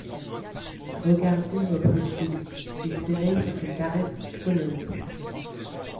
Regardez, reprit-il, il s’éveille sous les caresses du soleil !